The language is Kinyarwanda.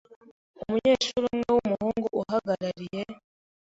Umunyeshuri umwe w’umuhungu uhagarariye